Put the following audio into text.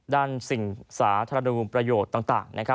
สิ่งสาธารณูมประโยชน์ต่าง